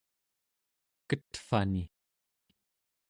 ketvani